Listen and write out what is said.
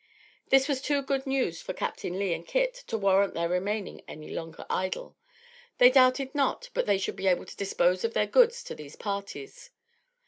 This was too good news for Captain Lee and Kit to warrant their remaining any longer idle. They doubted not but that they should be able to dispose of their goods to these parties.